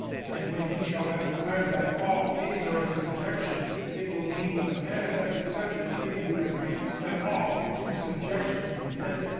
And when He shall have declared that "All things are in subjection," it will be with the manifest exception of Him who has reduced them all to subjection to Him.